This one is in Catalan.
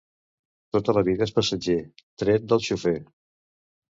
Tot a la vida és passatger, tret del xofer.